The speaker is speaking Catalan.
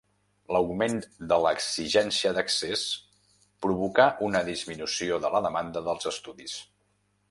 L'augment de l'exigència d'accés provocà una disminució de la demanda dels estudis.